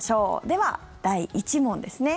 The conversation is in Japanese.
では、第１問ですね。